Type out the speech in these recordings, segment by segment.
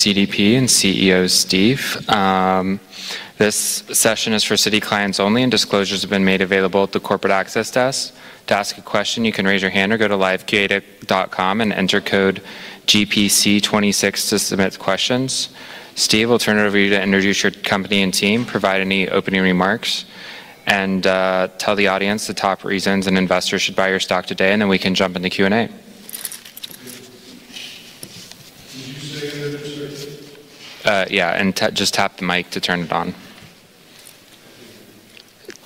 CDP and CEO Steve. This session is for Citi clients only. Disclosures have been made available at the corporate access desk. To ask a question, you can raise your hand or go to liveqa.com and enter code GPC26 to submit questions. Steve, we'll turn it over to you to introduce your company and team, provide any opening remarks, and tell the audience the top reasons an investor should buy your stock today, we can jump in the Q&A. [inaudible] Yeah, just tap the mic to turn it on.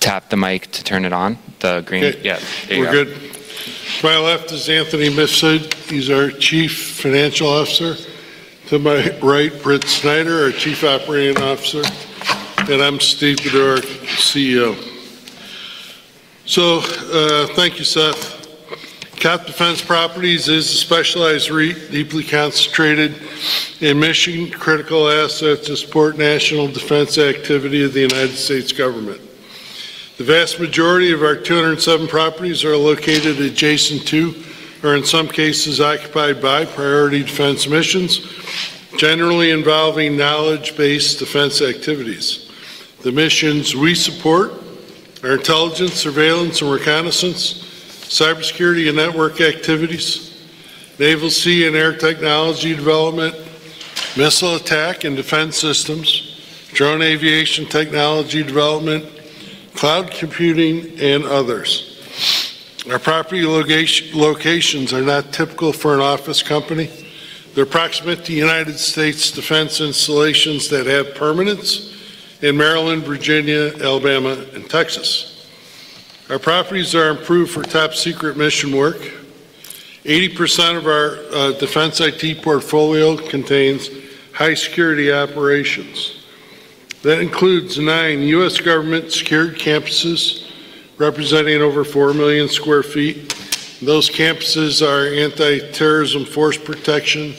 Tap the mic to turn it on. The green- Okay. Yeah. There you go. We're good. To my left is Anthony Mifsud. He's our Chief Financial Officer. To my right, Britt A. Snider, our Chief Operating Officer. I'm Stephen E. Budorick, CEO. Thank you, Seth. COPT Defense Properties is a specialized REIT deeply concentrated in mission-critical assets to support national defense activity of the U.S. government. The vast majority of our 207 properties are located adjacent to, or in some cases occupied by, priority defense missions, generally involving knowledge-based defense activities. The missions we support are intelligence, surveillance, and reconnaissance, cybersecurity and network activities, naval sea and air technology development, missile attack and defense systems, drone aviation technology development, cloud computing, and others. Our property locations are not typical for an office company. They're approximate to United States defense installations that have permanence in Maryland, Virginia, Alabama, and Texas. Our properties are improved for top-secret mission work. 80% of our Defense/IT portfolio contains high security operations. That includes nine U.S. government-secured campuses representing over 4 million sq ft. Those campuses are Antiterrorism/Force Protection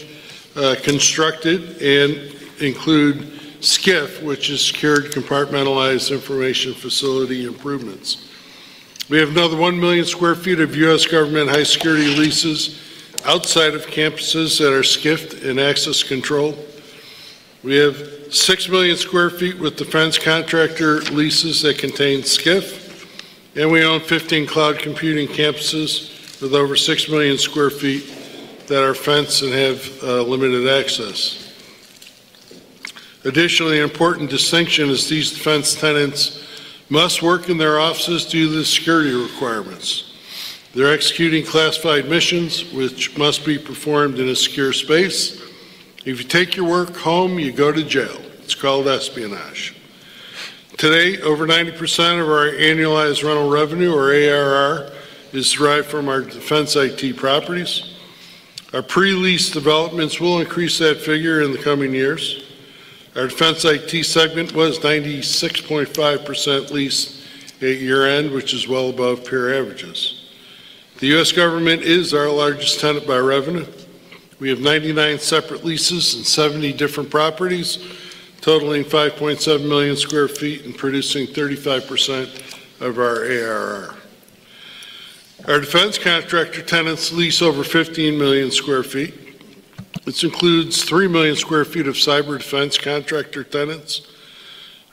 constructed and include SCIF, which is Sensitive Compartmented Information Facility improvements. We have another 1 million sq ft of U.S. government high security leases outside of campuses that are SCIFed and access controlled. We have 6 million sq ft with defense contractor leases that contain SCIF, and we own 15 cloud computing campuses with over 6 million sq ft that are fenced and have limited access. Additionally, an important distinction is these defense tenants must work in their offices due to the security requirements. They're executing classified missions which must be performed in a secure space. If you take your work home, you go to jail. It's called espionage. Today, over 90% of our annualized rental revenue, or ARR, is derived from our Defense/IT properties. Our pre-lease developments will increase that figure in the coming years. Our Defense/IT segment was 96.5% leased at year-end, which is well above peer averages. The U.S. government is our largest tenant by revenue. We have 99 separate leases and 70 different properties totaling 5.7 million sq ft and producing 35% of our ARR. Our defense contractor tenants lease over 15 million sq ft. This includes 3 million sq ft of cyber defense contractor tenants.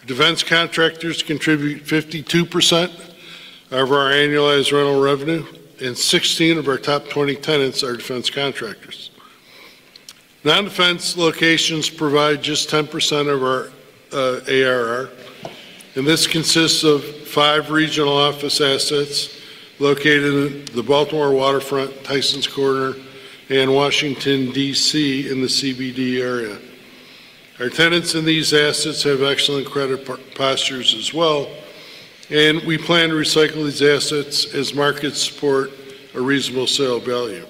Defense contractors contribute 52% of our annualized rental revenue, and 16 of our top 20 tenants are defense contractors. Non-defense locations provide just 10% of our ARR, and this consists of five regional office assets located in the Baltimore waterfront, Tysons Corner, and Washington, D.C., in the CBD area. Our tenants in these assets have excellent credit postures as well, and we plan to recycle these assets as markets support a reasonable sale value.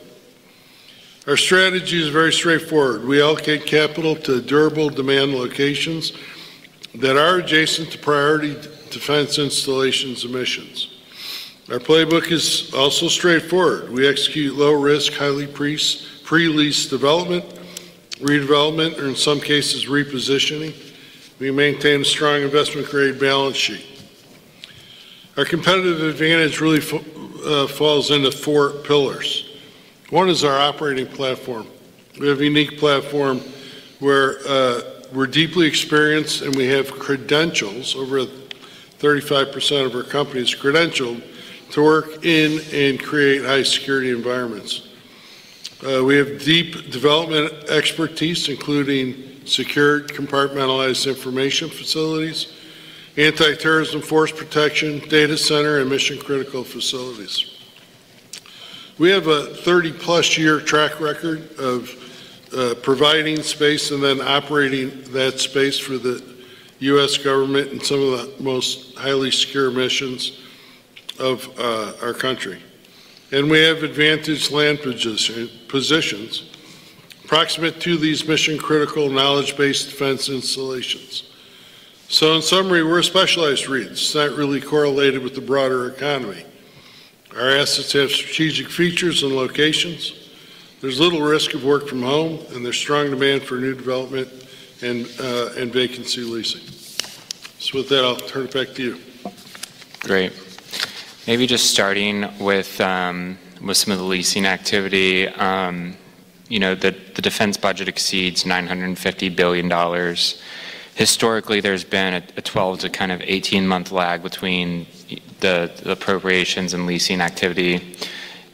Our strategy is very straightforward. We allocate capital to durable demand locations that are adjacent to priority defense installations and missions. Our playbook is also straightforward. We execute low risk, highly pre-lease development, redevelopment, or in some cases, repositioning. We maintain a strong investment-grade balance sheet. Our competitive advantage really falls into four pillars. One is our operating platform. We have a unique platform where we're deeply experienced, and we have credentials. Over 35% of our company is credentialed to work in and create high security environments. We have deep development expertise, including secured compartmentalized information facilities, Antiterrorism/Force Protection, data center, and mission-critical facilities. We have a 30-plus year track record of providing space and then operating that space for the U.S. government and some of the most highly secure missions of our country. We have advantaged land positions approximate to these mission-critical, knowledge-based defense installations. In summary, we're a specialized REIT. It's not really correlated with the broader economy. Our assets have strategic features and locations. There's little risk of work from home, and there's strong demand for new development and vacancy leasing. With that, I'll turn it back to you. Great. Maybe just starting with some of the leasing activity, you know, the defense budget exceeds $950 billion. Historically, there's been a 12 to kind of 18-month lag between the appropriations and leasing activity.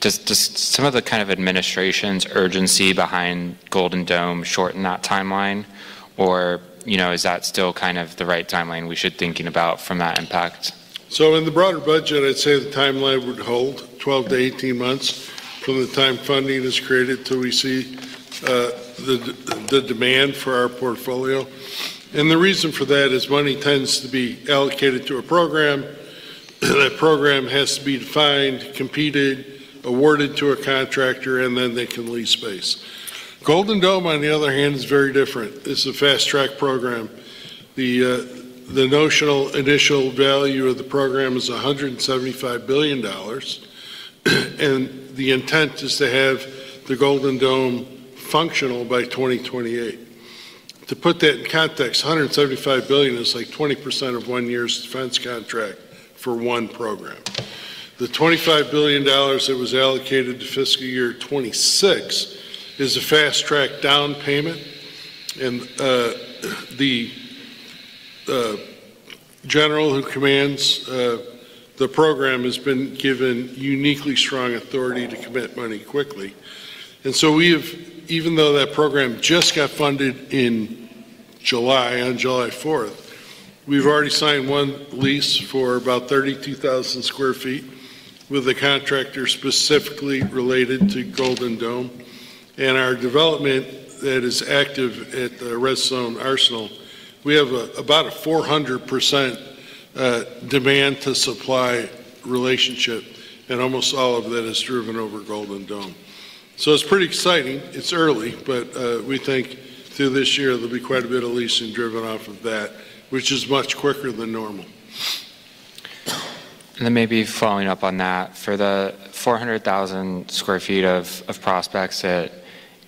Does some of the kind of administration's urgency behind Golden Dome shorten that timeline? Or, you know, is that still kind of the right timeline we should thinking about from that impact? In the broader budget, I'd say the timeline would hold 12 to 18 months from the time funding is created till we see the demand for our portfolio. The reason for that is money tends to be allocated to a program, that program has to be defined, competed, awarded to a contractor, and then they can lease space. Golden Dome, on the other hand, is very different. It's a fast-track program. The notional initial value of the program is $175 billion, and the intent is to have the Golden Dome functional by 2028. To put that in context, $175 billion is like 20% of 1 year's defense contract for 1 program. The $25 billion that was allocated to fiscal year 2026 is a fast-track down payment, and the general who commands the program has been given uniquely strong authority to commit money quickly. Even though that program just got funded in July, on July 4th, we've already signed one lease for about 32,000 sq ft with a contractor specifically related to Golden Dome. Our development that is active at the Redstone Arsenal, we have about a 400% demand to supply relationship, and almost all of that is driven over Golden Dome. It's pretty exciting. It's early, but we think through this year, there'll be quite a bit of leasing driven off of that, which is much quicker than normal. Maybe following up on that, for the 400,000 sq ft of prospects at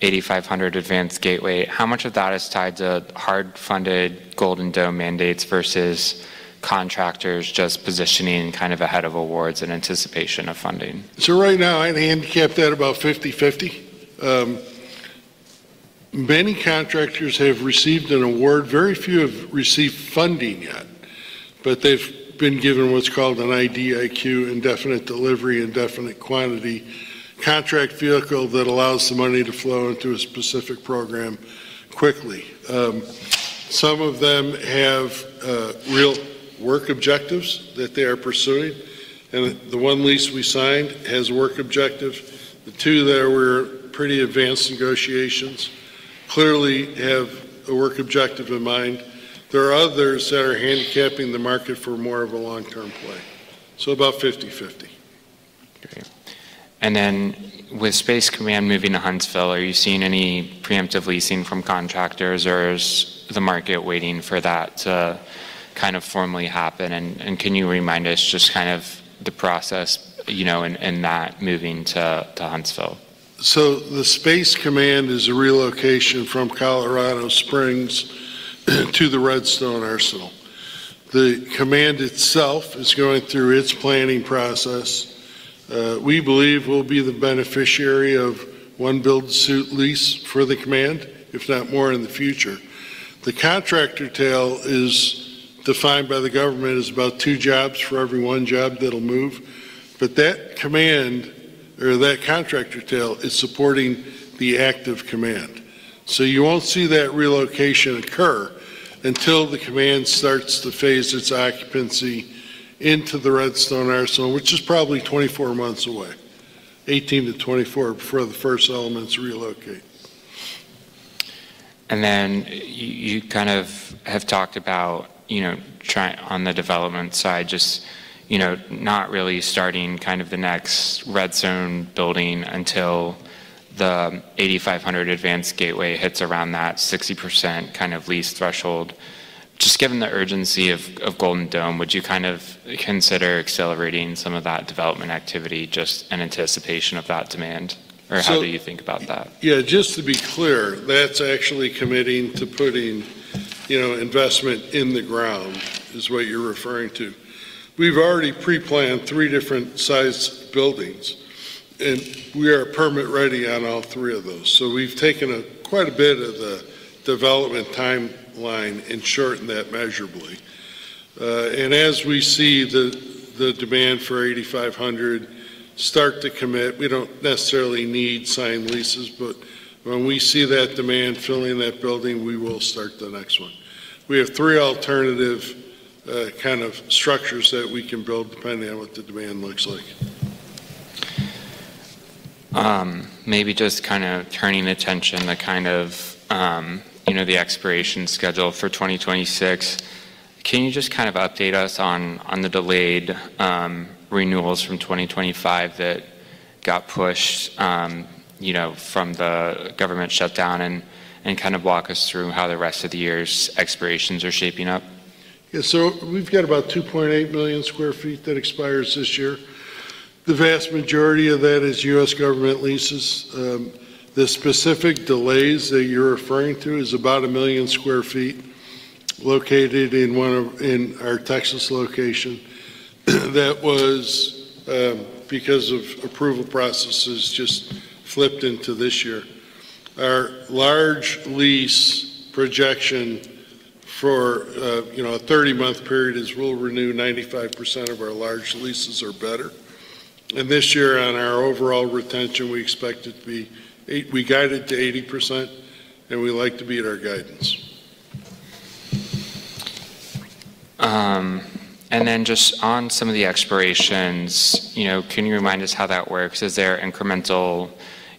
8500 Advanced Gateway, how much of that is tied to hard-funded Golden Dome mandates versus contractors just positioning kind of ahead of awards in anticipation of funding? Right now, I handicap that about 50/50. Many contractors have received an award. Very few have received funding yet, but they've been given what's called an IDIQ, Indefinite Delivery, Indefinite Quantity contract vehicle that allows the money to flow into a specific program quickly. Some of them have real work objectives that they are pursuing, and the one lease we signed has a work objective. The two that were pretty advanced negotiations clearly have a work objective in mind. There are others that are handicapping the market for more of a long-term play. About 50/50. Okay. With Space Command moving to Huntsville, are you seeing any preemptive leasing from contractors, or is the market waiting for that to kind of formally happen? Can you remind us just kind of the process, you know, in that moving to Huntsville? The Space Command is a relocation from Colorado Springs to the Redstone Arsenal. The command itself is going through its planning process. We believe we'll be the beneficiary of one build-to-suit lease for the command, if not more in the future. The contractor tail is defined by the government as about two jobs for every one job that'll move. That command or that contractor tail is supporting the active command. You won't see that relocation occur until the command starts to phase its occupancy into the Redstone Arsenal, which is probably 24 months away, 18-24 before the first elements relocate. You kind of have talked about, you know, on the development side, just not really starting the next Redstone building until the 8,500 Advanced Gateway hits around that 60% kind of lease threshold. Just given the urgency of Golden Dome, would you kind of consider accelerating some of that development activity just in anticipation of that demand? Or how do you think about that? Yeah, just to be clear, that's actually committing to putting, you know, investment in the ground is what you're referring to. We've already pre-planned three different sized buildings, and we are permit-ready on all three of those. We've taken quite a bit of the development timeline and shortened that measurably. As we see the demand for 8500 start to commit, we don't necessarily need signed leases, but when we see that demand filling that building, we will start the next one. We have three alternative kind of structures that we can build depending on what the demand looks like. Maybe just kind of turning attention to kind of, you know, the expiration schedule for 2026. Can you just kind of update us on the delayed renewals from 2025 that got pushed, you know, from the government shutdown and kind of walk us through how the rest of the year's expirations are shaping up? We've got about 2.8 million sq ft that expires this year. The vast majority of that is U.S. government leases. The specific delays that you're referring to is about 1 million sq ft located in our Texas location that was because of approval processes just flipped into this year. Our large lease projection for, you know, a 30-month period is we'll renew 95% of our large leases or better. This year on our overall retention, we expect it to be we guide it to 80%, and we like to be at our guidance. Then just on some of the expirations, you know, can you remind us how that works? Is there incremental,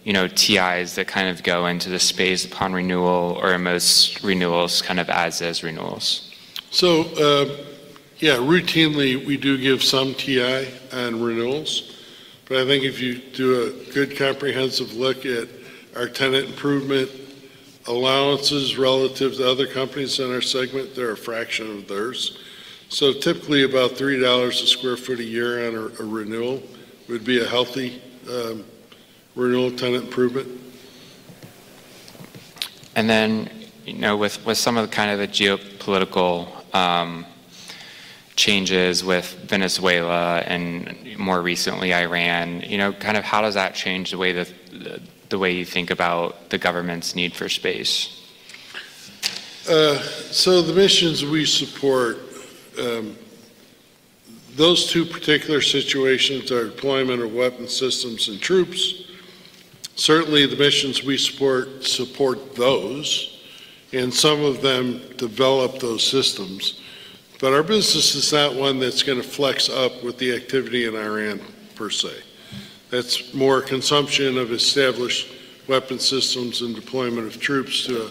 you know, TIs that kind of go into the space upon renewal, or are most renewals kind of as-is renewals? Yeah, routinely, we do give some TI on renewals. I think if you do a good comprehensive look at our tenant improvement allowances relative to other companies in our segment, they're a fraction of theirs. Typically, about $3 a square foot a year on a renewal would be a healthy renewal tenant improvement. You know, with some of the kind of the geopolitical changes with Venezuela and more recently Iran, kind of how does that change the way you think about the government's need for space? The missions we support, those two particular situations are deployment of weapon systems and troops. Certainly, the missions we support support those, and some of them develop those systems. Our business is not one that's gonna flex up with the activity in Iran per se. That's more consumption of established weapon systems and deployment of troops to a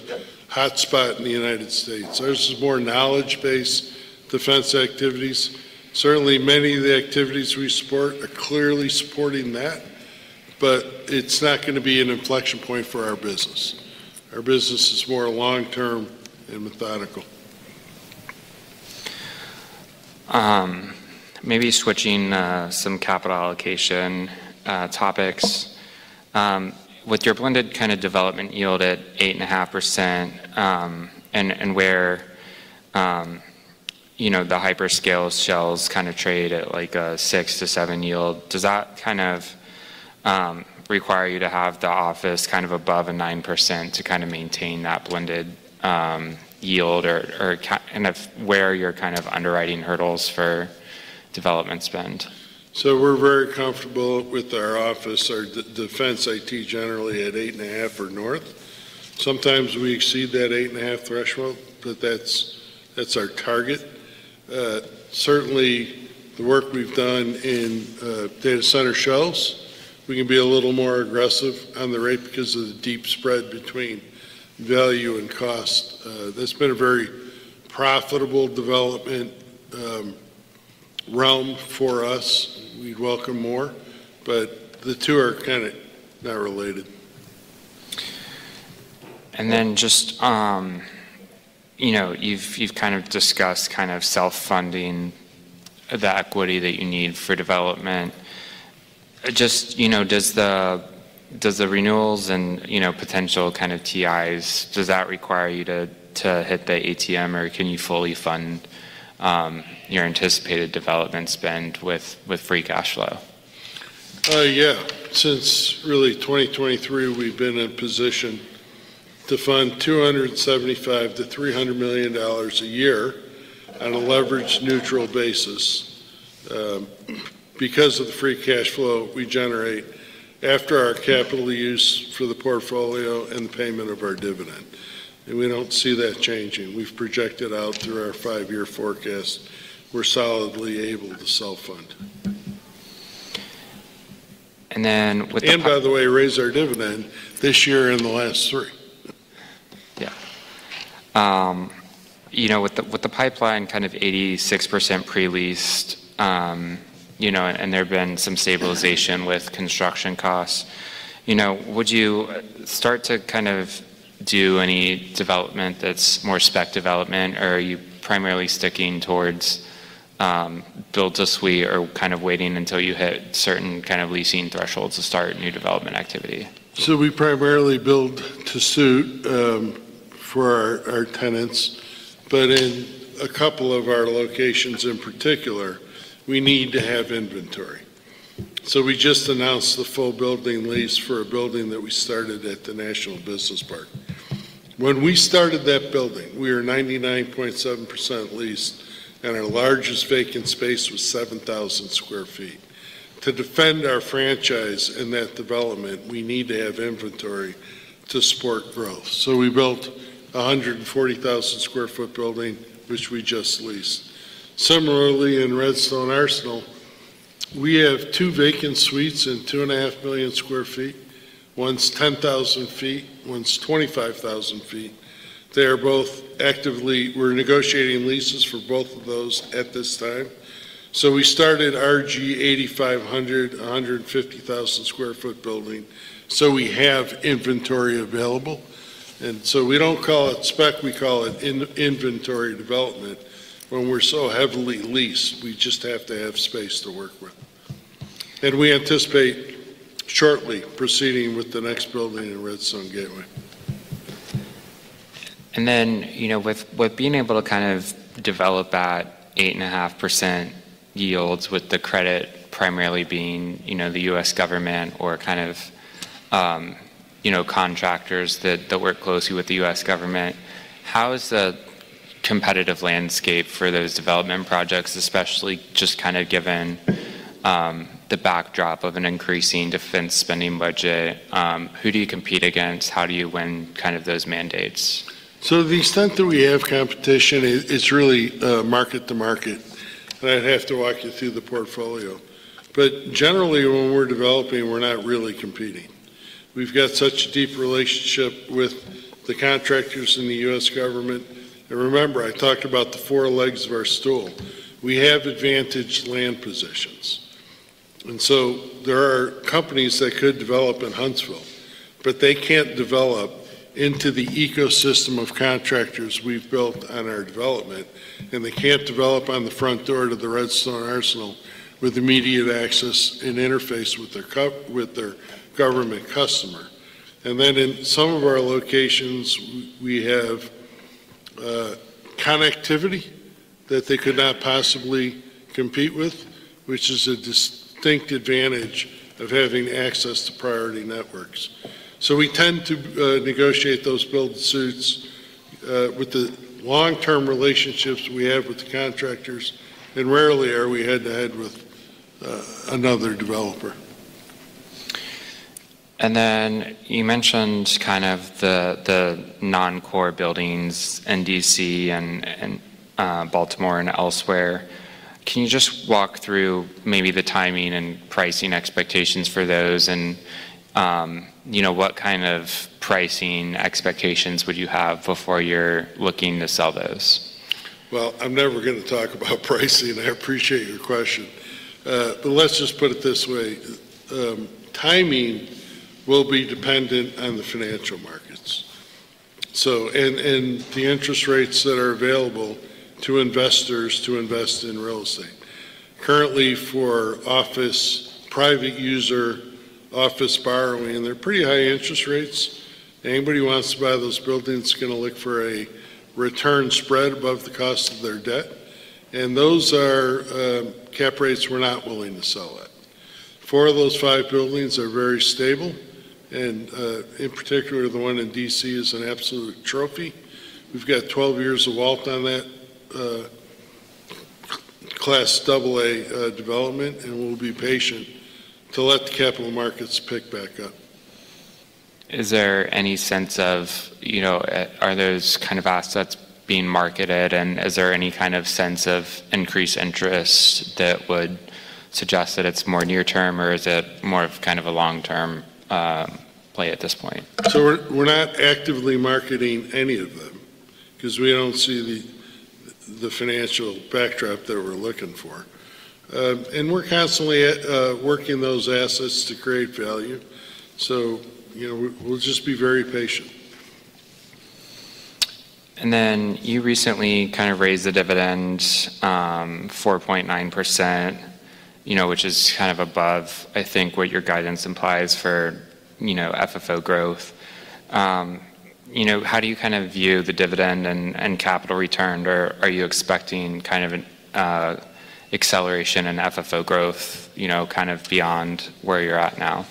hotspot in the United States. Ours is more knowledge-based defense activities. Certainly, many of the activities we support are clearly supporting that, but it's not gonna be an inflection point for our business. Our business is more long-term and methodical. Maybe switching some capital allocation topics. With your blended kind of development yield at 8.5%, and where, you know, the hyperscale shells kind of trade at, like, a 6%-7% yield, does that kind of require you to have the office kind of above a 9% to kind of maintain that blended yield? If where you're kind of underwriting hurdles for development spend. We're very comfortable with our office, our Defense/IT generally at 8.5 or north. Sometimes we exceed that 8.5 threshold, but that's our target. Certainly the work we've done in data center shells, we can be a little more aggressive on the rate because of the deep spread between value and cost. That's been a very profitable development realm for us. We'd welcome more, the two are kinda not related. Just, you know, you've kind of discussed kind of self-funding the equity that you need for development. Just, you know, does the renewals and, you know, potential kind of TIs, does that require you to hit the ATM, or can you fully fund your anticipated development spend with free cash flow? Yeah. Since really 2023, we've been in position to fund $275 million-$300 million a year on a leverage neutral basis because of the free cash flow we generate after our capital use for the portfolio and payment of our dividend. We don't see that changing. We've projected out through our five-year forecast we're solidly able to self-fund. Then with. by the way, raise our dividend this year and the last three. Yeah. With the pipeline kind of 86% pre-leased and there have been some stabilization with construction costs, you know, would you start to kind of do any development that's more spec development, or are you primarily sticking towards build-to-suit or kind of waiting until you hit certain kind of leasing thresholds to start new development activity? We primarily build-to-suit for our tenants. But in a couple of our locations in particular, we need to have inventory. We just announced the full building lease for a building that we started at the National Business Park. When we started that building, we were 99.7% leased, and our largest vacant space was 7,000 sq ft. To defend our franchise and that development, we need to have inventory to support growth. We built a 140,000 sq ft building, which we just leased. Similarly, in Redstone Arsenal, we have two vacant suites and 2.5 million sq ft. One's 10,000 feet, one's 25,000 feet. We're negotiating leases for both of those at this time. We started RG 8500, a 150,000 sq ft building. We have inventory available. We don't call it spec, we call it in-inventory development. When we're so heavily leased, we just have to have space to work with. We anticipate shortly proceeding with the next building in Redstone Gateway. You know, with being able to kind of develop that 8.5% yields with the credit primarily being, you know, the U.S. government or kind of, contractors that work closely with the U.S. government, how is the competitive landscape for those development projects, especially just kind of given the backdrop of an increasing defense spending budget? Who do you compete against? How do you win kind of those mandates? The extent that we have competition, it's really market to market, and I'd have to walk you through the portfolio. Generally, when we're developing, we're not really competing. We've got such a deep relationship with the contractors in the U.S. government. Remember, I talked about the four legs of our stool. We have advantaged land positions. There are companies that could develop in Huntsville, but they can't develop into the ecosystem of contractors we've built on our development, and they can't develop on the front door to the Redstone Arsenal with immediate access and interface with their government customer. In some of our locations, we have connectivity that they could not possibly compete with, which is a distinct advantage of having access to priority networks. We tend to negotiate those build suits with the long-term relationships we have with the contractors, and rarely are we head-to-head with another developer. You mentioned kind of the non-core buildings in D.C. and Baltimore and elsewhere. Can you just walk through maybe the timing and pricing expectations for those and, you know, what kind of pricing expectations would you have before you're looking to sell those? Well, I'm never gonna talk about pricing. I appreciate your question. Let's just put it this way. Timing will be dependent on the financial markets. The interest rates that are available to investors to invest in real estate. Currently, for office, private user office borrowing, they're pretty high interest rates. Anybody who wants to buy those buildings is gonna look for a return spread above the cost of their debt. Those are cap rates we're not willing to sell at. Four of those five buildings are very stable. In particular, the one in D.C. is an absolute trophy. We've got 12 years of wealth on that Class AA development. We'll be patient to let the capital markets pick back up. Is there any sense of, you know, are those kind of assets being marketed, and is there any kind of sense of increased interest that would suggest that it's more near-term, or is it more of kind of a long-term play at this point? We're not actively marketing any of them because we don't see the financial backdrop that we're looking for. We're constantly at working those assets to create value. You know, we'll just be very patient. You recently kind of raised the dividend, 4.9%, you know, which is kind of above, I think, what your guidance implies for, you know, FFO growth? You know, how do you kind of view the dividend and capital return? Are you expecting kind of an acceleration in FFO growth, you know, kind of beyond where you're at now?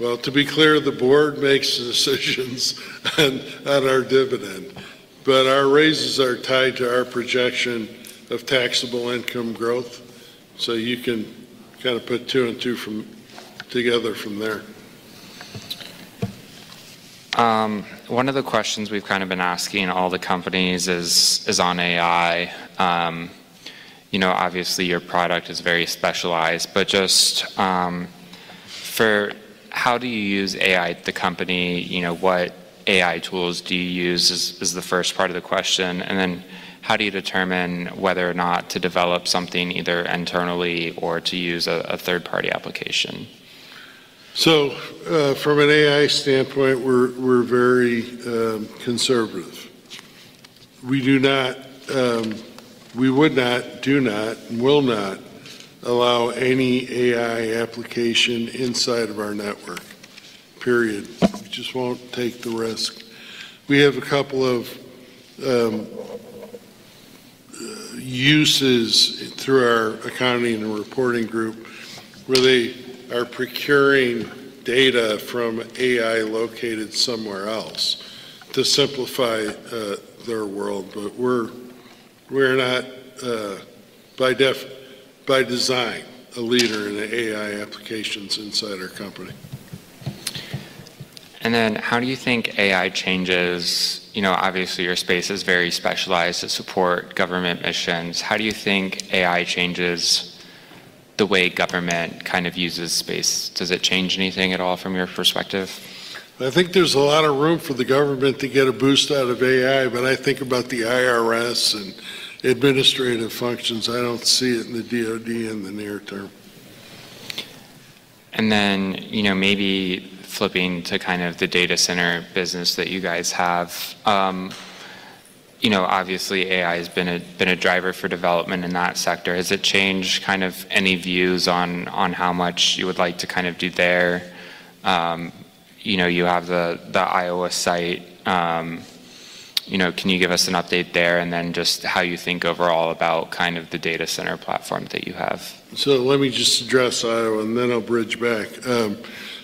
To be clear, the board makes decisions on our dividend. Our raises are tied to our projection of taxable income growth, so you can kind of put two and two together from there. One of the questions we've kind of been asking all the companies is on AI. You know, obviously, your product is very specialized, but just for how do you use AI at the company? What AI tools do you use is the first part of the question. How do you determine whether or not to develop something either internally or to use a third-party application? From an AI standpoint, we're very conservative. We do not, we would not, do not, and will not allow any AI application inside of our network, period. We just won't take the risk. We have a couple of uses through our accounting and reporting group where they are procuring data from AI located somewhere else to simplify their world. We're not by design a leader in the AI applications inside our company. How do you think AI changes. You know, obviously, your space is very specialized to support government missions. How do you think AI changes the way government kind of uses space? Does it change anything at all from your perspective? I think there's a lot of room for the government to get a boost out of AI, but I think about the IRS and administrative functions. I don't see it in the DOD in the near term. You know, maybe flipping to kind of the data center business that you guys have. You know, obviously AI has been a driver for development in that sector. Has it changed kind of any views on how much you would like to kind of do there? You know, you have the Iowa site. You know, can you give us an update there? Just how you think overall about kind of the data center platform that you have. Let me just address Iowa, and then I'll bridge back.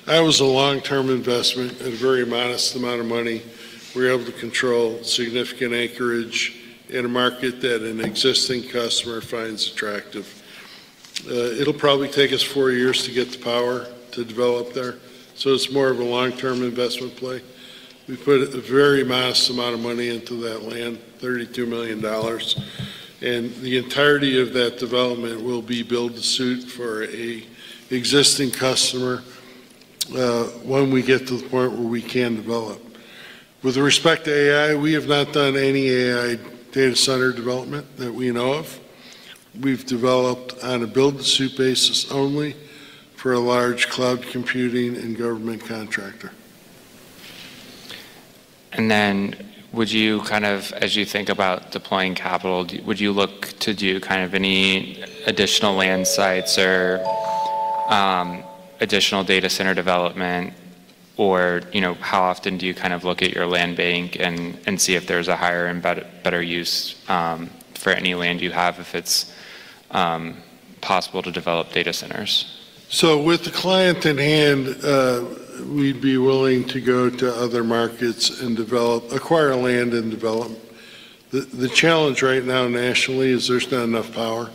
Iowa's a long-term investment and a very modest amount of money. We're able to control significant anchorage in a market that an existing customer finds attractive. It'll probably take us four years to get the power to develop there, so it's more of a long-term investment play. We put a very modest amount of money into that land, $32 million, and the entirety of that development will be build-to-suit for a existing customer, when we get to the point where we can develop. With respect to AI, we have not done any AI data center development that we know of. We've developed on a build-to-suit basis only for a large cloud computing and government contractor. Would you kind of, as you think about deploying capital, would you look to do kind of any additional land sites or additional data center development? You know, how often do you kind of look at your land bank and see if there's a higher and better use for any land you have if it's possible to develop data centers? With the client in hand, we'd be willing to go to other markets and acquire land and develop. The challenge right now nationally is there's not enough power.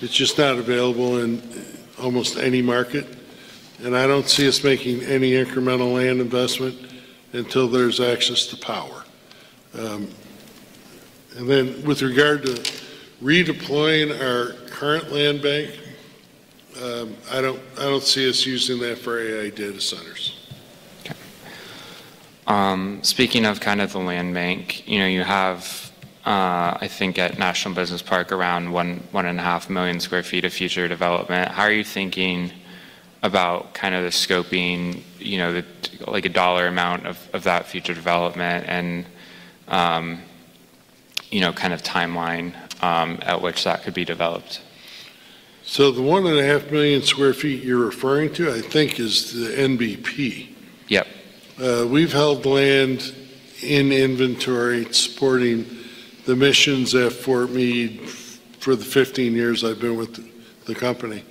It's just not available in almost any market, and I don't see us making any incremental land investment until there's access to power. With regard to redeploying our current land bank, I don't see us using that for AI data centers. Okay. Speaking of kind of the land bank, you know, you have, I think at National Business Park, around 1.5 million sq ft of future development. How are you thinking about kind of the scoping, you know, like a dollar amount of that future development and, you know, kind of timeline, at which that could be developed? The one and a half million sq ft you're referring to, I think is the NBP. Yep. We've held land in inventory supporting the missions at Fort Meade for the 15 years I've been with the company.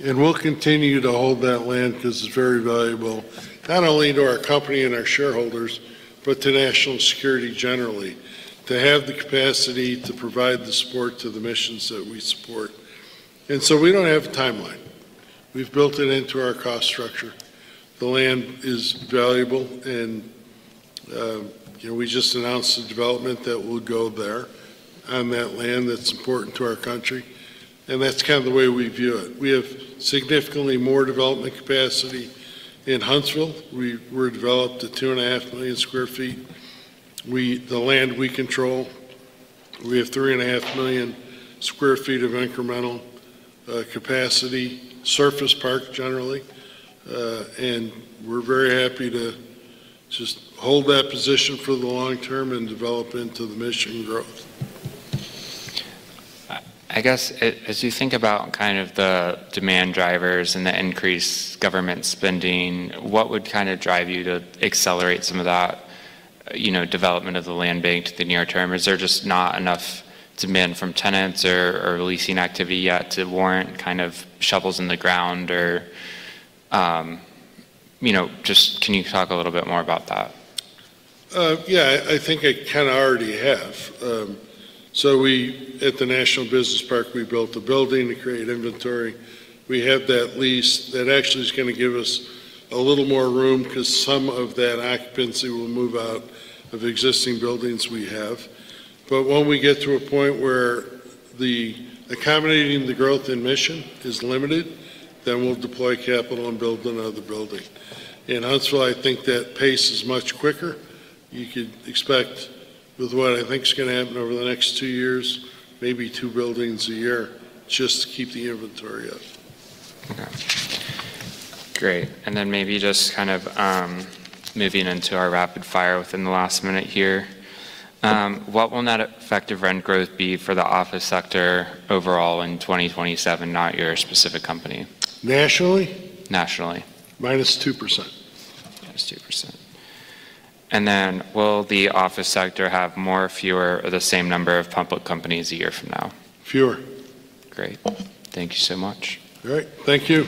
We'll continue to hold that land 'cause it's very valuable, not only to our company and our shareholders, but to national security generally, to have the capacity to provide the support to the missions that we support. We don't have a timeline. We've built it into our cost structure. The land is valuable and, you know, we just announced the development that will go there on that land that's important to our country, and that's kind of the way we view it. We have significantly more development capacity in Huntsville. We're developed at 2.5 million sq ft. The land we control, we have 3.5 million sq ft of incremental capacity, surface park generally. We're very happy to just hold that position for the long term and develop into the mission growth. I guess as you think about kind of the demand drivers and the increased government spending, what would kind of drive you to accelerate some of that, you know, development of the land bank to the near term? Is there just not enough demand from tenants or leasing activity yet to warrant kind of shovels in the ground or, you know, just can you talk a little bit more about that? Yeah. I think I kinda already have. We, at the National Business Park, we built a building to create inventory. We have that lease that actually is gonna give us a little more room 'cause some of that occupancy will move out of existing buildings we have. When we get to a point where the accommodating the growth in mission is limited, then we'll deploy capital and build another building. In Huntsville, I think that pace is much quicker. You could expect with what I think is gonna happen over the next 2 years, maybe 2 buildings a year just to keep the inventory up. Okay. Great. Maybe just kind of, moving into our rapid fire within the last minute here. What will net effective rent growth be for the office sector overall in 2027, not your specific company? Nationally? Nationally. Minus 2%. Minus 2%. Will the office sector have more, fewer, or the same number of public companies a year from now? Fewer. Great. Thank you so much. All right. Thank you.